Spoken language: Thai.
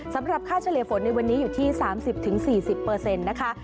สำหรับค่าเฉลี่ยฝนในวันนี้อยู่ที่๓๐๔๐นะคะ